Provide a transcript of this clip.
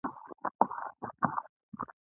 یوه اقتصادپوه د حماقت بنسټیز قوانین وړاندې کړل.